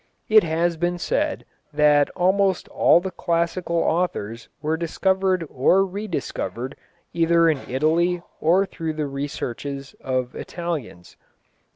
It has been said that almost all the classical authors were discovered or rediscovered either in Italy or through the researches of Italians.